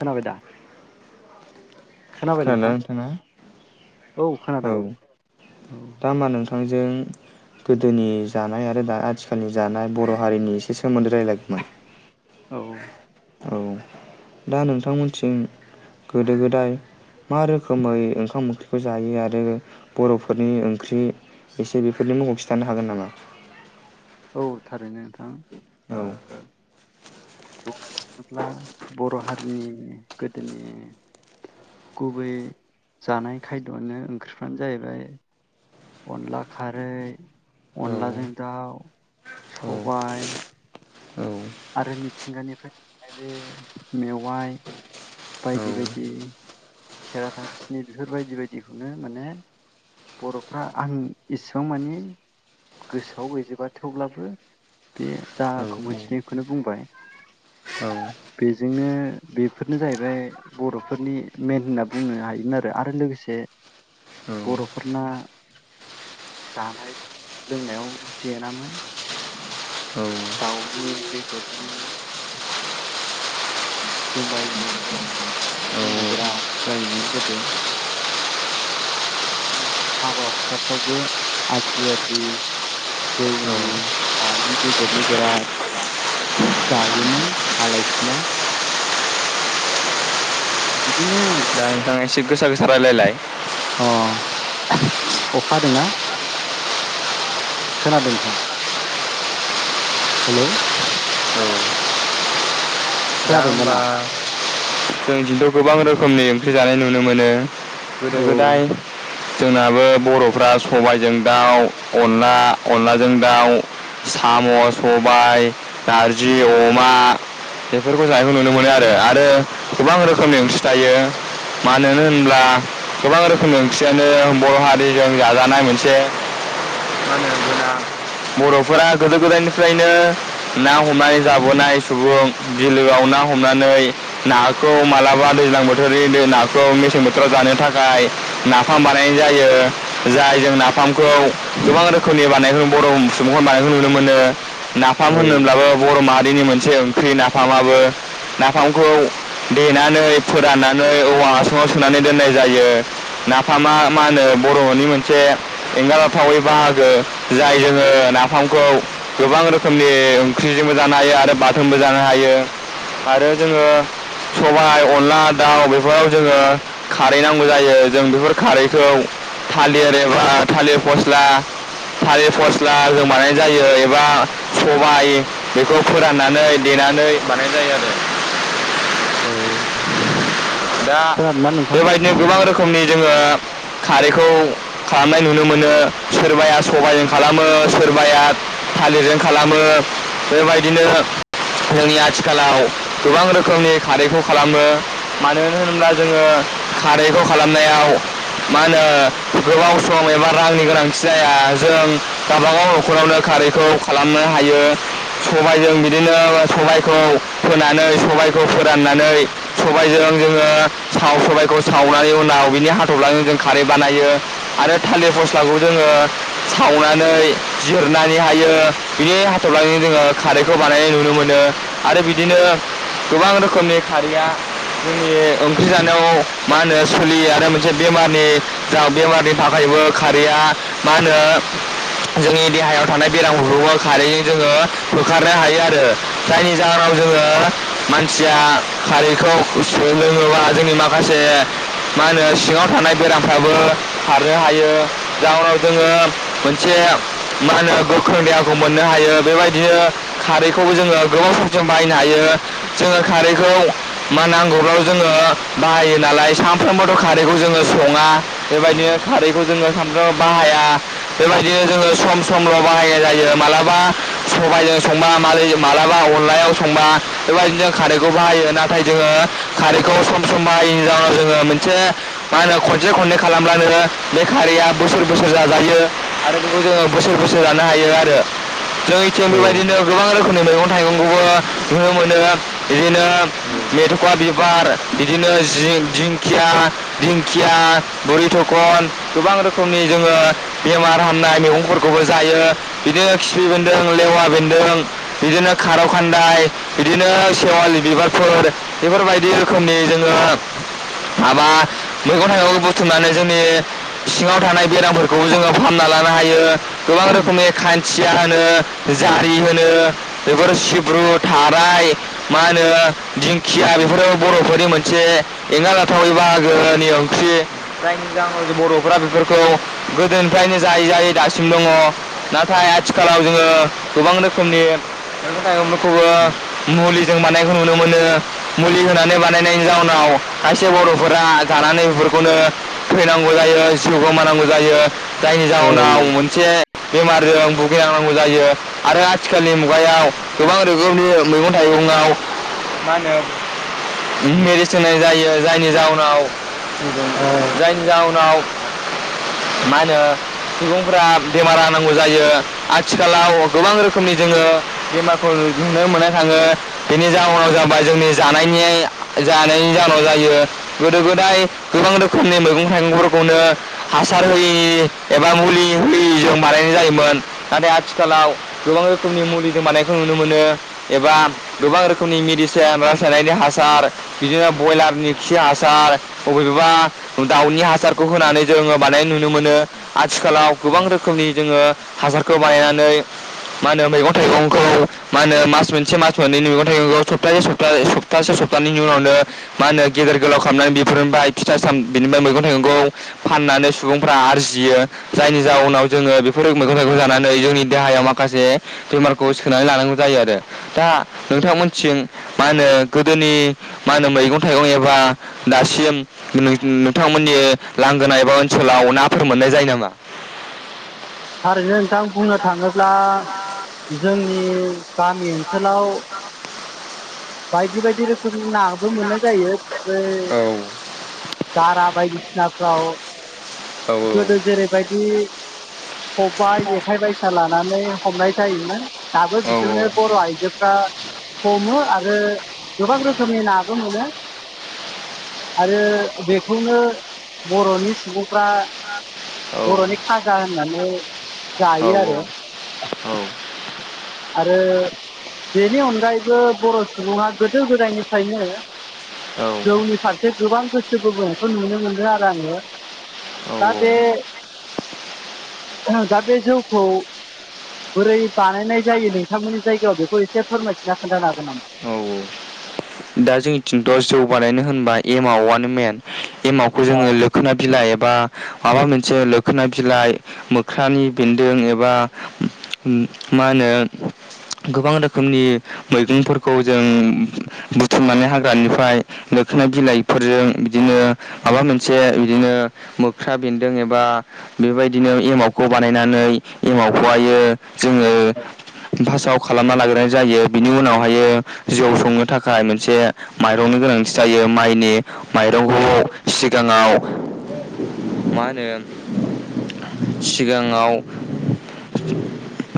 खोनाबाय दा खोनाबाय खोनादोंना नोंथां नोंथाङा औ खोनादों बिफांजों गोदोनि जानाय आरो दा आथिखालनि जानाय बर' हारिनि एसे सोमोन्दो रायलायगौमोन औ औ दा नोंथांमोनथिं गोदो गोदाय मा रोखोमै ओंखाम ओंख्रिखौ जायो आरो आरो बर'फोरनि ओंख्रि एसे बेफोरनि मुंखौ खिथानो हागोन नामा औ थारैनो नों औ बुंनो थाङोब्ला बर' हारिनि गोदोनि गुबै जानाय खायद'आनो ओंख्रिफ्रानो जायैबाय अनला खारै अनलाजों दाउ सबाय आरो मिथिंगानिफ्राय मोननाय बे मेवाइ बायदि बायदि खेरादा फिनि बेफोरबायदि बायदिखौनो माने बर'फ्रा आं इसिबां मानि गोसोआव गैजोबा थेवब्लाबो बे जाखौ मोनथिनाय बेखौनो बुंबाय बेजोंनो बेफोरनो जायैबाय बर'फोरनि मेन होनना बुंनो हायोमोन आरो आरो लोगोसे बर'फोरना जानाय लोंनायाव जेेनामोन दाउनि बेदरनि जुमायनि जेरावबो जानाय लोंनाय बिराद जायोमोन गोदो हाबा हुखाफ्रावबो आद्रि आद्रि जौनि नानि बेदरनि बिराद जायोमोन आलाय सिलाय बिदिनो दा नोंथां एसे गोसा गोसा रायलायलाय अ अखा हादोंना खोनादों नोंथां हेलौ औ दा खोनादों ओमबा दाना जोंनिथिंथ' गोबां रोखोमनि ओंख्रि जानाय नुनो मोनो गोदो औ गोदाय जोंनाबो बर'फ्रा सबायजों दाउ अनला अनलाजों दाउ साम' सबाय नारजि अमा बेफ जानायखौ नुनो मोनो आरो आरो गोबां रोखोमनि ओंख्रि थायो मानो होनब्ला गोबां रोखोमनि ओंख्रियानो बर' हारिजों जाजानाय मोनसे बर'फोरा गोदो गोदायनिफ्रायनो ना हमनाय जाबोनाय सुबुं बिलोआव ना हमनानै नाखौ मालाबा दैज्लां बोथोरनि बे नाखौ मेसें बोथोराव जानो थाखाय नाफाम बानायनाय जायो जाय जों नाफाम खौ गोबां रोखोमनि बानाय बर' सुबुंखौ बानायनायखौ नुनो मोनो नाफाम औ होनोब्लाबो बर' मा निनो मोनसे ख्रि नाफामाबो नाफामखौ देनानै फोराननानै औवा हासुङाव सुनानै दोननाय जायो नाफामा मा होनो बर'नि मोनसे एंगारहाथावै बाहागो जाय जोङो नाफामखौ गोबां रोखोमनि ओंख्रिजोंबो जानो हायो आरो बा थोनबो जानो हायो आरो जोङो सबाय अनला दाउ बेफोराव जोङो खारै नांगौ जायो जों बेफोर खारैखौ थालिर एबा थालिर फस्ला थालिर फस्लाजों बानायनाय जायो एबा सबायाइ बेखौ फोरान ननानै देनानै बानाय जायो आरो औ दा खोनादोंना नोंथां? बेबायदिनो गोबां रोखोमनि जोङो खारैखौ खालामनाय नुनो मोनो सोरबाया सबायजों खालामो सोरबाया थालिरजों खालामो बेबायदिनो जोंनि आथिखालाव गोबां रोखोमनि खारैखौ खालामो मानो होनोब्ला जोङो खारैखौ खालामनायाव मा होनो गोबाव सम एबा रांनि गोनांथि जाया जों गाबागाव नखरावनो खारैखौ खालामनो हायो सबायजों बिदिनो सबायखौ फोनानै सबायखौ फोराननानै सबायजों जोङो साव सबायखौ सावनानै उनाव बिनि हाथफ्लाजों जों खारै बानायो आरो थालिर फस्लाखौ जोङो सावनानै जिरनानै हायो बि हाथफ्लाजों जोङो खारैखौ बानायनाय नुनो मोनो आरो बिदिनो गोबां रोखोमनि खारैया जोंनि ओंख्रि जानायाव मा होनो सोलियो आरो मोनसे बेमारनि जा बेमारनि थाखायबो खारैया मा होनो जोंनि देहायाव थानाय बेरामफोरखौबो खारैजों जोङो होखारनो हायो आरो जायनि जाहोनाव जोङो औ मानसिया खारैखौ गुसु लोङोब्ला जोंनि माखासे मा होनो सिङाव थानाय बेरामफ्राबो खारनो हायो जाउनाव जोङो मोनसे मा होनो गोख्रों देहाखौ मोननो हायो बेबायदिनो खारैखौबो जोङो गोबाव समसिम बाहायनो हायो जोङो खारैखौ मा नांगौब्लाल' जोङो बाहायो नालाय सामफ्रोमबोथ' खारैखौ जोङो सङा औ बेबायदिनो खारैखौ जोङो सानफ्रोमबो बाहाया या बेबायदिनो जोङो सम समल' बाहायनाय जायो मालाबा सबायजों संबा मा-मालाबा अनलायाव संबा बेबायदिनो जों खारैखौ बाहायो ना नाथाय जोङो खारैखौ सम सम बाहायैनि जाउनाव जोङो मोनसे मा होनो खनसे खननै खालामब्लानो बे खारैया बोसोर बोसोर जाजायो आरो बेखौ जोङो बोसोर बोसोर जानो हायो आरो जोंनिथिं औ बेबायदिनो गोबां रोखोमनि मैगं थाइगंखौबो नुनो मोन नो इदिनो मेथ'खा बि बिबार बिदिनो जि दिंखिया दिंखिया बुरि थखन गोबां रोखोमनि जोङो बेमार हामनाय मैगंफोरखौबो जायो बिदिनो खिफि बेन्दों लेवा बेन्दों बिदिनो खारौ खान्दाय बिदिनो सेवालि बिबार फोर बेफोरबायदि रोखोमनि जोङो माबा मैगं थाइगंखौ बुथुमनानै जोंनि सिङाव थानाय बेरामफोरखौबो जोङो फाहामना लानो हायो गोबां रोखोमनि खाइ खिया होनो औ जारि होनो बेफोर सिब्रु थाराय मा होनो दिंखिया बेफोरो बर'फोरनि मोनसे एंगार जाथावै बाहागोनि ओंख्रि जायनि जाहोनाव जों बर'फ्रा बेफोरखौ गोदोनिफ्रायनो जायै जायै दासिम दङ नाथाय आथिखालाव जोङो गोबां रोखोमनि मैगं थाइगंफोर खौबो मुलि जों मानायखौ नुनो मोनो मुलि होनानै बानायनायनि जाउनाव खायसे बर'फोरा जानानै बेफोरखौनो थैनांगौ जायो जिउ गोमानांगौ जायो जायनि औ जाहोनाव मोनसे बेमारजों भुगिनांनांगौ जायो आरो आथिखालनि मुगायाव गोबां रोखोमनि मैगं थाइगङाव मा होनो मेडिसिन होनाय जायो जायनि जाउनाव थारैनो जायनि जाउनाव मा होनो सुबुंफोरा बेमारा नांगौ जायो आथिखालाव गोबां रोखोमनि जोङो बेमारखौ नुनो मोननाय थाङो बेनि जाउनाव जाबाय जोंनि जानायनि जानायनि जाहोनाव जायो गोदो गोदाय गोबां रोखोमनि मैगं थाइगंफोरखौनो हासार होयि एबा मुलि होयिजों बानायनाय जायोमोन नाथाय आथिखालाव गोबां रोखोमनि मुलिजों बानायखौ नुनो मोनो एबा गोबां रोखोम रोखोमनि मेडिसिन रासायननि हासार बिदिनो बयलारनि खि हासार अबेबा दाउनि हासारखौ होनानै जोङो बानायनाय नुनो मोनो आथिखालाव गोबां रोखोमनि जोङो हासारखौ बानायनानै मा होनो मैगं थाइगंखौ मा होनो मास मोनसे मास मोननैनि उन थाइगंखौ सप्तासे स्तसे सप्तासे सप्तानैनि उनावनो मा होनो गेदेर गोलाव खालामनानै बेफोरनिफ्राय फिथा साम बिनिफ्राय मैगं थाइगंखौ फाननानै सुबुंफ्रा आरजियो जायनि जाउनाव जोङो बेफोर मैगं थाइगं जानानै जोंनि देहायाव माखासे बेमारखौ सोनानै लानांगौ जायो आरो दा नोंथांमोनथिं मा होनो गोदोनि मा होनो मैगं थाइगं एबा दासिम नों-नोंथांमोननि लांगोना एबा ओनसोलाव नाफोर मोननाय जायो नामा थारैनो दा बुंनो थाङोब्ला जोंनि गामि ओनसोलाव बायदि बायदि रोखोमनि नाबो मोननाय जायो बै औ बारा बायदिसिनाफ्राव औ गोदो जेरैबायदि खबाय जेखाइ बायसा लानानै हमनाय जायोमोन दाबो औ बिदिनो औ बर' आइजोफ्रा हमो आरो आरो गोबां रोखोमनि नाबो मोनो आरो बेखौनो बर'नि सुबुंफ्रा बर'नि खाजा होननानै जायो आरो आरो बेनि अनगायैबो बर' सुबुङा गोदो गोदायनिफ्रायनो औ जौनि फारसे गोबां गोसो बोबोनायखौ नुनो मोनदों आरो आङो दा बे दा बे जौखौ बोरै बानायनाय जायो नोंथांमोननि जायगायाव बेखौ एसे फोरमायथिना खोन्थानो हागोन नामा? दा जोंनिथिंथ' जौगानायनो होनबा एमावआनो मेन एमावखौ औ जोङो मोखोना बिलाइ एबा बा माबा मोनसे लोखोना बिलाइ मोख्रानि बेन्दों एबा मा होनो गोबां रोखोमनि मैगंफोरखौ जों थुमनानै हाग्रानिफ्राय दोखोना बिलाइफोरजों बिदिनो माबा मोनसे बिदिनो मोख्रा बेन्दों एबा बेबायदिनो एमावखौ बानायनानै एमावखौहायो जोङो फार्स्टाव खालामना लाग्राय जायो बिनि उनावहायो जौ संनो थाखाय थाखाय मोनसे माइरंनि गोनांथि जायो माइनि माइरंखौ सिगाङाव मा होनो सिगाङाव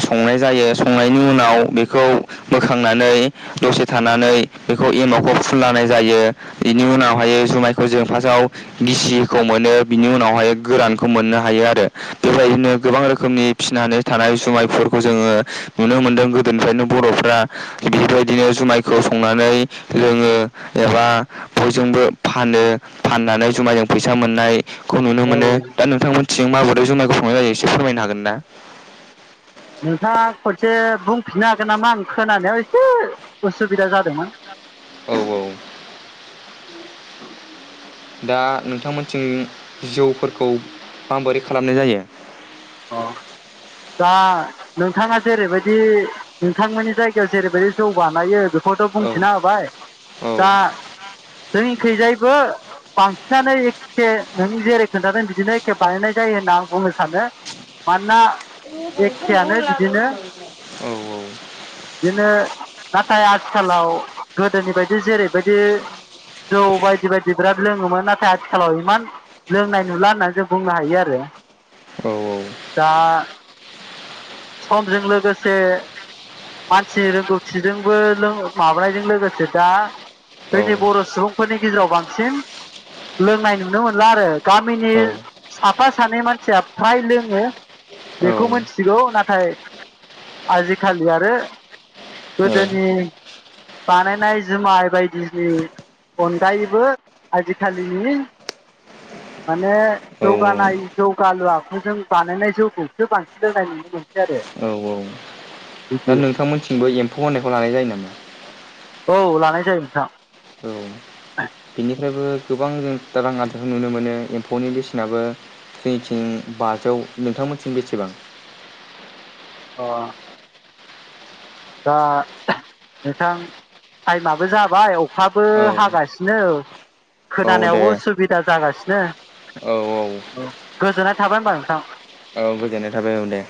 संनाय जायो संनायनि उनाव बेखौ बोखांनानै दसे थानानै बेखौ एमावखौ फुनलनाय जायो बेनि उनावहाय जुमायखौ जों फार्स्टआव गिसिखौ मोनो बिनि उनावहाय गोरानखौ मोननो हायो आरो बेबायदिनो गोबां रोखोमनि फिसिनानै थानाय जुमायफोरखौ जोङो नुनो मोनदों गोदोनिफ्रायनो बर'फ्रा बेबायदिनो जुमायखौ संनानै लोङो एबा बयजोंबो फानो फाननानै जुमायाजों फैसा मोननाय खौ नुनो मोनो दा नोंथांमोनथिं माबो जुमाइखौ संनाय जायो एसे फोरमायनो हागोन ना नोंथाङा खनसे बुंफिननो हागोन नामा आं खोनानायाव एसे उसुबिदा जादोंमोन। औ औ दा नोंथांमोनथिं जौफोरखौ माबोरै खालामनाय जायो। दा नोंथाङा जेरैबायदि नोंथांमोननि जायगायाव जेरैबायदि जौ बानायो बेखौथ' औ बुंथिना होबाय औ दा जोंनिखैजायबो बांसिनानो एखे नों जेरै खोन्थादों बिदिनो एखे बानायनाय जायो होनना आं बुंनो सानो मानोना एखेयानो बिदिनो औ बिदिनो नाथाय आथिखालाव गोदोनि बायदि जेरैबायदि जौ बायदि बायदि बिराद लोङोमोन नाथाय आथिखालाव इमान लोंनाय नुला होननानै जों बुंनो हायो आरो औ औ दा समजों लोगोसे मानसिनि रोंगौथिजोंबो माबानायजों लोगोसे दा औ जोंनि बर' सुबुंफोरनि गेजेराव बांसिन सेम लोंनाय नुनो मोनला आरो गामिनि साफा सानै मानसिया फ्राय लोङो बेखौ मिथिगौ नाथा आजि खालि आरो गोदोनि बानायनाय जुमाय बायदिनि अनगायैबो आजिखालिनि माने औ जौगानाय जौगालु आखुजों बानायनाय जौखौसो बांसिन लोंनाय नुनो मोनसै आरो औ औ दा बिदि नोंथांमोनथिंबो एम्फौ होननायखौ लानाय जायो नामा औ लानाय जायो नोंथां औ बेनिफ्रायबो गोबां जों रां आदारखौ नुनो मोनो एम्फौनि बेसेनाबो जोंनिथिं बाजौ नोंथांमोननिथिं बेसेबां अ दा नोंथां टाइमाबो जाबाय अखाबो औ हागासिनो औ दे खोनानायावबो उसुबिदा जागासिनो ने औ औ थाबाय होनबा नोंथां औ गोजोननाय थाबाय औ दे